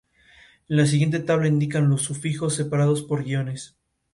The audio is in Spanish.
Su única afición era la zarzuela, que al parecer cantaba con arte.